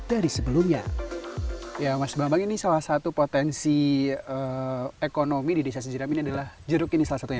mas bambang salah satu potensi ekonomi di desa sejiram adalah jeruk